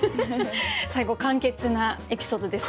最後簡潔なエピソードですね。